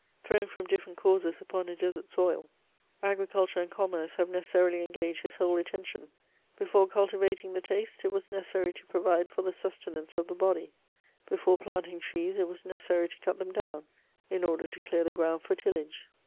Thrown from different causes upon a desert soil, sericulture and commerce have necessarily engaged his whole attention ; before cultivating the taste, it was necessary to provide for the sustenance of the body ; before planting trees, it was necessary to cut them down, in order to clear the ground for tillage.